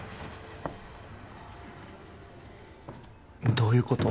どういうこと？